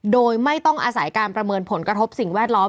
โดยไม่ต้องอาศัยการประเมินผลกระทบสิ่งแวดล้อม